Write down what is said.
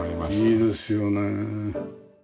いいですよね。